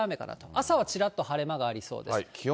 朝はちらっと晴れ間がありそうです。